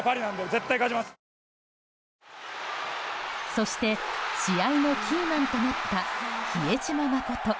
そして試合のキーマンとなった比江島慎。